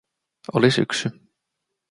Oli syksy.